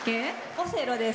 オセロです。